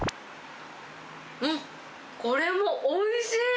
うん、これもおいしい。